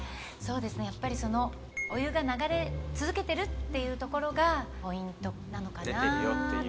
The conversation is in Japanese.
やっぱりお湯が流れ続けてるっていうところがポイントなのかなって。